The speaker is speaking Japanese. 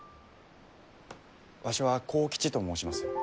わしは幸吉と申します。